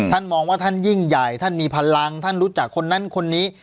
มองว่าท่านยิ่งใหญ่ท่านมีพลังท่านรู้จักคนนั้นคนนี้